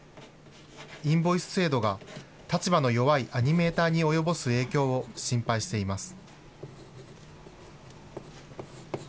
インボイス制度が立場の弱いアニメーターに及ぼす影響を心配しています。